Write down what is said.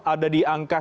ada di angka angkanya